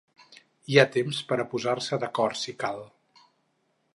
Hi ha temps per a posar-se d’acord, si cal.